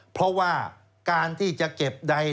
เพราะว่าการที่จะเก็บใด